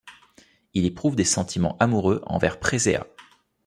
Il éprouve des sentiments amoureux envers Préséa.